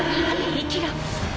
生きろ。